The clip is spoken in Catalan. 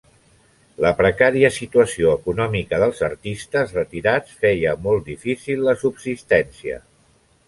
La precària situació econòmica dels artistes retirats feia molt difícil la subsistència.